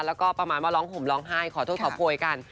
แล้วก็ประมาณว่าร้องห่มร้องไห้ขอโทษขอโพยกัน